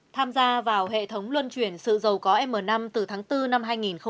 tham gia vào hệ thống luân chuyển sự giàu có m năm từ tháng bốn năm hai nghìn hai mươi